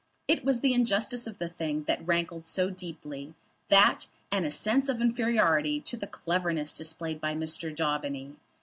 It was the injustice of the thing that rankled so deeply, that, and a sense of inferiority to the cleverness displayed by Mr. Daubeny!